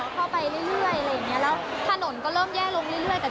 ก็เข้าไปเรื่อยอะไรอย่างเงี้ยแล้วถนนก็เริ่มแย่ลงเรื่อยแต่ทุกคนก็ยังไปอะค่ะ